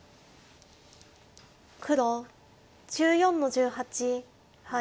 黒１４の十八ハイ。